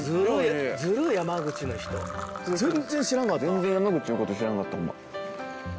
全然山口のこと知らんかったホンマ。